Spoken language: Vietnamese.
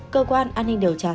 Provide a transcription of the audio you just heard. cơ quan an ninh điều tra nói